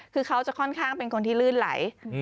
คือเขาจะค่อนข้างเป็นคนที่ลื่นไหล